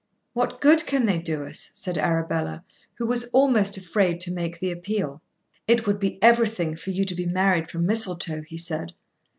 "What good can they do us?" said Arabella, who was almost afraid to make the appeal. "It would be everything for you to be married from Mistletoe," he said.